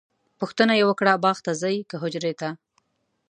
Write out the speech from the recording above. پوښتنه یې وکړه باغ ته ځئ که حجرې ته؟